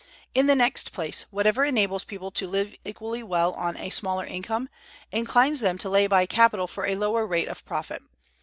In the next place, whatever enables people to live equally well on a smaller income inclines them to lay by capital for a lower rate of profit.